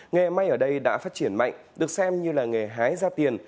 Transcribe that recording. nghề may ở đây đã phát triển mạnh được xem như là nghề hái ra tiền